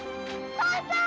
父ちゃん！